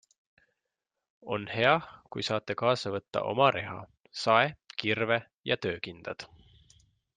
On hea, kui saate kaasa võtta oma reha, sae, kirve ja töökindad.